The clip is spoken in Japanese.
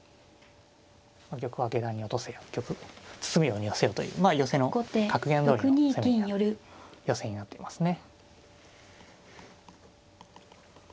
「玉は下段に落とせ」「玉は包むように寄せよ」という寄せの格言どおりの攻めに寄せになってますね。